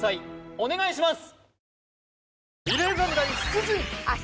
お願いします